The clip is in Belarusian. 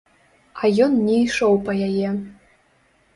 А ён не ішоў па яе.